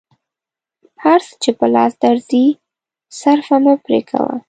هر څه چې په لاس درځي صرفه مه پرې کوه.